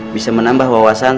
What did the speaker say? bisa menambah wawasan